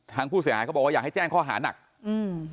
ทางผู้เสียหายเขาบอกว่าอยากให้แจ้งข้อหานักอืม